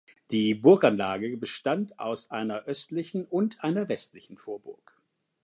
Die Burganlage bestand aus einer östlichen und einer westlichen Vorburg.